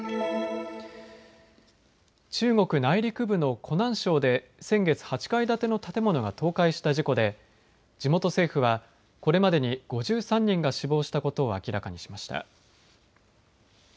中国内陸部の湖南省で先月、８階建ての建物が倒壊した事故で地元政府はこれまでに５３人が死亡したことを明らかにしました。